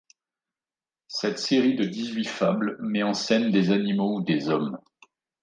Cette série de dix-huit fables met en scène des animaux ou des hommes.